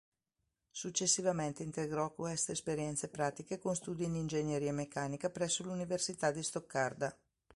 Successivamente integrò queste esperienze pratiche con studi in ingegneria meccanica presso l'Università di Stoccarda.